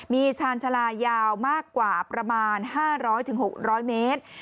มีชาญชาลายาวมากกว่าประมาณ๕๐๐๖๐๐เมตร